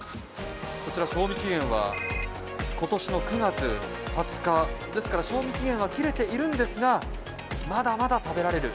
賞味期限は今年の９月２０日ですから賞味期限は切れているんですがまだまだ食べられる。